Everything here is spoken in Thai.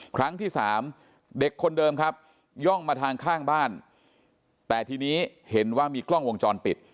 ครั้งที่สามเด็กคนเดิมครับย่องมาทางข้างบ้านแต่ทีนี้เห็นว่ามีกล้องวงจรปิด